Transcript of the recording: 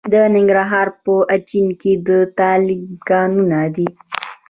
د ننګرهار په اچین کې د تالک کانونه دي.